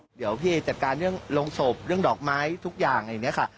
เดี๋ยวพี่จัดการเรื่องโรงศพเรื่องดอกไม้ทุกอย่างอะไรอย่างนี้ค่ะ